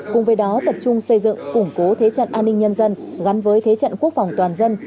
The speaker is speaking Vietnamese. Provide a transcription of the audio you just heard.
cùng với đó tập trung xây dựng củng cố thế trận an ninh nhân dân gắn với thế trận quốc phòng toàn dân